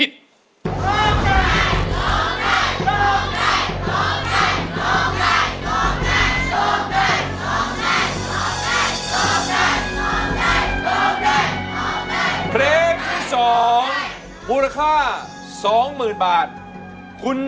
ช่าย